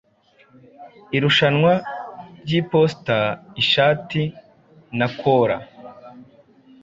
Irushanwa ryiposita-ishati na cola